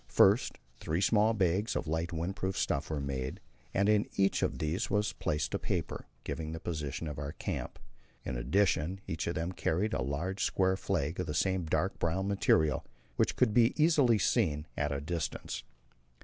First, three small bags of light windproof stuff were made, and in each of these was placed a paper, giving the position of our camp. In addition, each of them carried a large square flag of the same dark brown material, which could be easily seen at a distance.